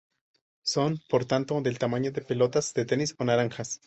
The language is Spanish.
Son, por tanto, del tamaño de pelotas de tenis o naranjas.